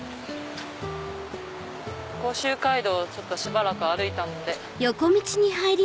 甲州街道をしばらく歩いたので。